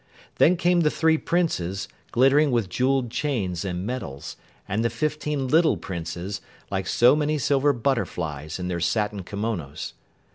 Then came the three Princes, glittering with jeweled chains and medals, and the fifteen little Princes, like so many silver butterflies in their satin kimonas.